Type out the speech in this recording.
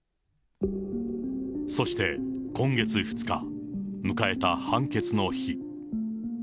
そして、今月２日、迎えた判決の日。